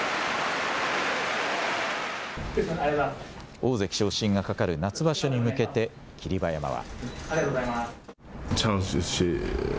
大関昇進がかかる夏場所に向けて、霧馬山は。